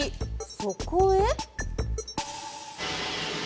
そこへ。